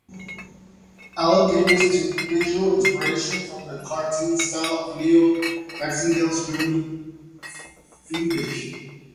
Alan Davis took visual inspiration from the cartoon style of Leo Baxendale's "Grimly Feendish".